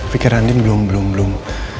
pikir andien belum belum belum